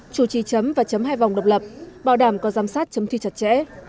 chủ trì chấm và chấm hai vòng độc lập bảo đảm có giám sát chấm thi chặt chẽ